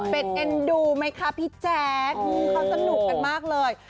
เป็นเอ็นดูไหมคะพี่แจ๊คเขาสนุกกันมากเลย